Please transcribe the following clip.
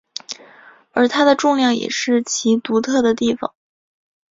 而它的重量也是其独特的地方。